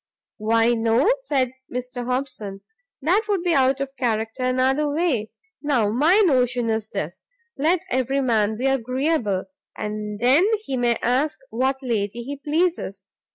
"Why no," said Mr Hobson, "that would be out of character another way. Now my notion is this; let every man be agreeable! and then he may ask what lady he pleases.